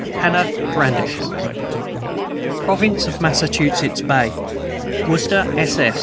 "HANNAH BRADISH." PROVINCE OF THE MASSACHUSETTS BAY, WORCESTER, SS.